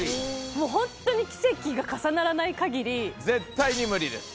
もうホントに奇跡が重ならないかぎり絶対に無理？